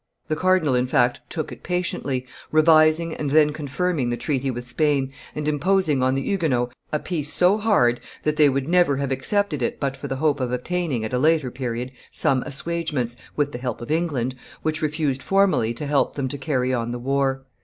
The cardinal, in fact, took it patiently, revising and then confirming the treaty with Spain, and imposing on the Huguenots a peace so hard, that they would never have accepted it but for the hope of obtaining at a later period some assuagements, with the help of England, which refused formally to help them to carry on the war.